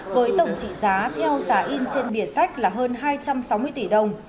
với tổng trị giá theo giả in trên biển sách là hơn hai trăm sáu mươi tỷ đồng